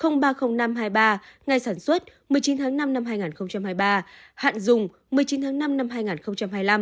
ngày sản xuất một mươi chín tháng năm năm hai nghìn hai mươi ba hạn dùng một mươi chín tháng năm năm hai nghìn hai mươi năm